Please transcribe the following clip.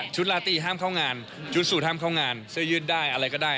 ลาตีห้ามเข้างานชุดสูตรห้ามเข้างานเสื้อยืดได้อะไรก็ได้